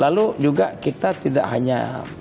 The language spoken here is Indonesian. lalu juga kita tidak hanya